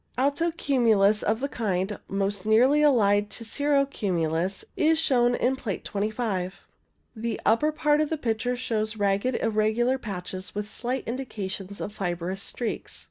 Alto cumulus of the kind most nearly allied to cirro cumulus is shown in Plate 25. The upper part of the picture shows ragged, irregular patches, with slight indications of fibrous streaks.